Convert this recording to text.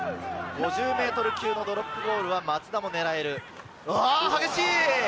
５０ｍ級のドロップゴールは松田も狙える。